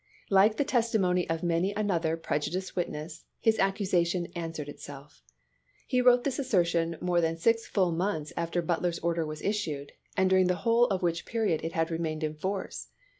Like the testimony of many another prejudiced witness, his accusation answered itself. He wrote this assertion more than six full months after But ler's order was issued, and during the whole of which period it had remained in force.